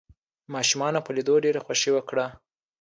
ماشومانو په ليدو ډېره خوښي وکړه.